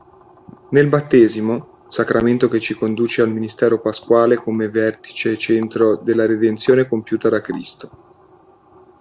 Nel battesimo, sacramento che ci conduce al mistero pasquale come vertice e centro della redenzione compiuta da Cristo.